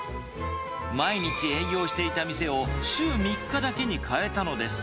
毎日営業していた店を、週３日だけに変えたのです。